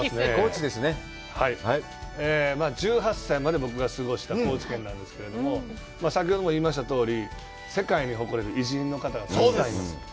１８歳まで僕が過ごした高知県なんですけれども、先ほども言いましたとおり、世界に誇れる偉人の方がたくさんいます。